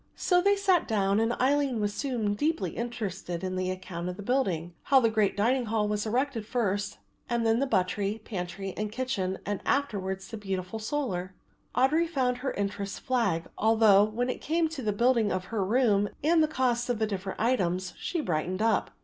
So they sat down and Aline was soon deeply interested in the account of the building, how the great dining hall was erected first, then the buttery, pantry and kitchen and afterwards the beautiful solar. Audry found her interest flag; although, when it came to the building of her room and the cost of the different items, she brightened up.